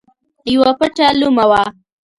یوه پټه لومه وه.